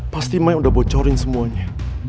pasti main udah bocorin semuanya